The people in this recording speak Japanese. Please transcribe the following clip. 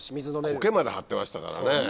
コケまで張ってましたからね。